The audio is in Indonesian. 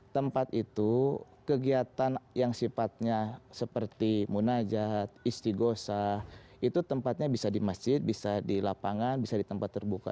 tempat itu kegiatan yang sifatnya seperti munajat istighosa itu tempatnya bisa di masjid bisa di lapangan bisa di tempat terbuka